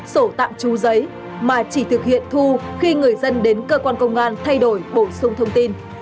sổ tạm trú giấy mà chỉ thực hiện thu khi người dân đến cơ quan công an thay đổi bổ sung thông tin